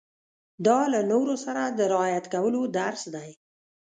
دا له نورو سره د رعايت کولو درس دی.